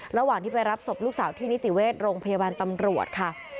ระหว่างที่ไปรับศพลูกสาวที่นิติเวชโรงพยาบาลตำรวจค่ะ